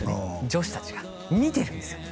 女子達が見てるんですよ